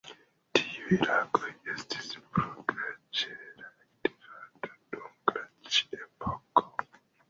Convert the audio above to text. Tiuj lagoj ekestis pro glaĉera aktivado dum glaci-epoko.